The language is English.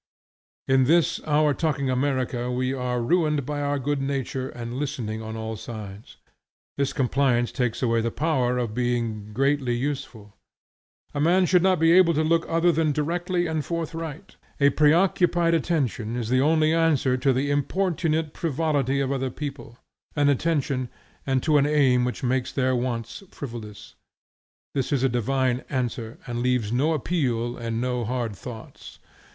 In this our talking America we are ruined by our good nature and listening on all sides. This compliance takes away the power of being greatly useful. A man should not be able to look other than directly and forthright. A preoccupied attention is the only answer to the importunate frivolity of other people; an attention, and to an aim which makes their wants frivolous. This is a divine answer, and leaves no appeal and no hard thoughts.